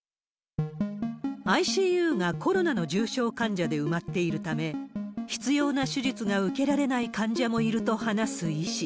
ＩＣＵがコロナの重症患者で埋まっているため、必要な手術が受けられない患者もいると話す医師。